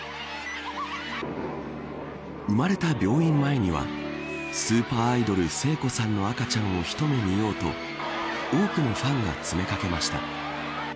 生まれた病院の前にはスーパーアイドル聖子さんの赤ちゃんを一目見ようと多くのファンがつめかけました。